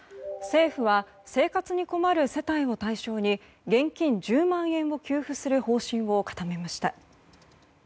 政府は生活に困る世帯を対象に現金１０万円を給付する方針を固めました。